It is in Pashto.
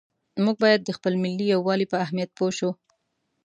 موږ باید د خپل ملي یووالي په اهمیت پوه شو.